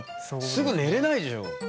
すぐ寝れないでしょう。